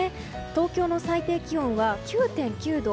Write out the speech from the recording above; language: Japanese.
東京の最低気温は９．９度。